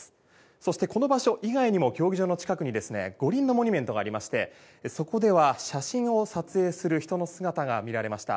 そして、この場所以外にも競技場の近くに五輪のモニュメントがありましてそこでは写真を撮影する人の姿が見られました。